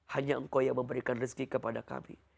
hanya engkau yang memberikan rezeki kepada kami